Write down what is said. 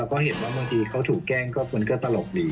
ก็เห็นว่าบางทีเขาถูกแกล้งก็คนก็ตลกดี